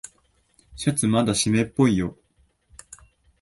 シャツまだしめっぽいよ。